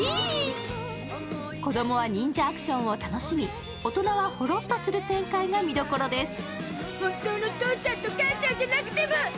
子供は忍者アクションを楽しみ大人はほろっとする展開が見どころです。